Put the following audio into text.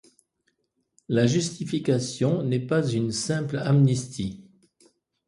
La justification n'est pas une simple amnistie.